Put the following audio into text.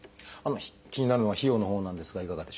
気になるのは費用のほうなんですがいかがでしょう？